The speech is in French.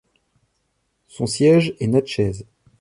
Son siège est Natchez.